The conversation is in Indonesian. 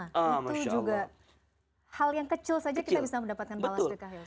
itu juga hal yang kecil saja kita bisa mendapatkan balas dekah ya